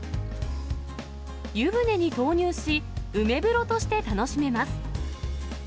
湯船に投入し、梅風呂として楽しめます。